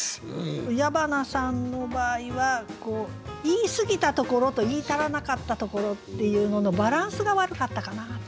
矢花さんの場合は言いすぎたところと言い足らなかったところっていうののバランスが悪かったかなと思いますね。